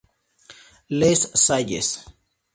Les Salles